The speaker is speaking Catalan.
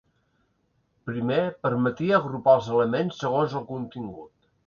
Primer, permetia agrupar els elements segons el contingut.